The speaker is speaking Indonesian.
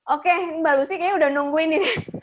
oke mbak lucy kayaknya udah nungguin ya